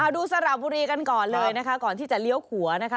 สระบุรีกันก่อนเลยนะคะก่อนที่จะเลี้ยวขัวนะคะ